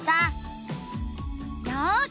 よし！